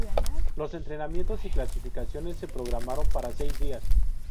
Los entrenamientos y clasificaciones se programaron para seis días.